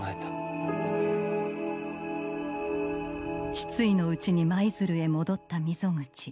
失意のうちに舞鶴へ戻った溝口。